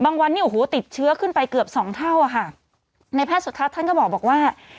วันนี้โอ้โหติดเชื้อขึ้นไปเกือบสองเท่าอ่ะค่ะในแพทย์สุทัศน์ท่านก็บอกว่า